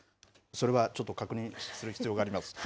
それはちょっと確認する必要があります。